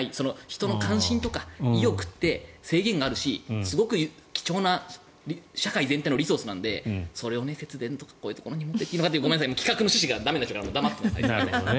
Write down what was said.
人の関心とか意欲って制限があるし、すごく貴重な社会全体のリソースなのでそれを節電とかそういうところに持っていくのはごめんなさい、企画の趣旨が黙っておきます。